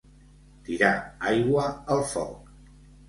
Tirar aigua al foc.